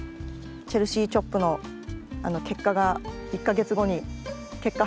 チェルシー・チョップの結果が１か月後に結果発表で。